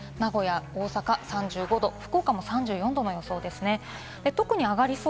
名古屋・大阪３５度、福岡も３４度の予想ですね。